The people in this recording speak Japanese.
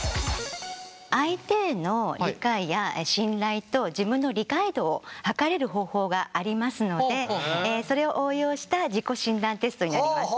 相手への理解や信頼と自分の理解度を測れる方法がありますのでそれを応用した自己診断テストになります。